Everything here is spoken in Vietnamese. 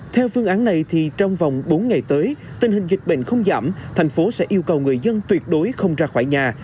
theo phương án này thì trong vòng bốn ngày tới tình hình dịch bệnh không giảm thành phố sẽ yêu cầu người dân tuyệt đối không ra khỏi nhà